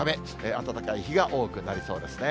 暖かい日が多くなりそうですね。